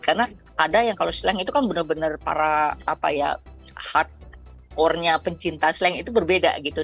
karena ada yang kalau slang itu kan benar benar para hardcore nya pencinta slang itu berbeda gitu